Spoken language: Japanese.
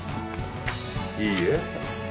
いいえ。